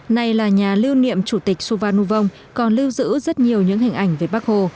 này là nhà lưu niệm chủ tịch su van nu vong còn lưu giữ rất nhiều những hình ảnh về bác hồ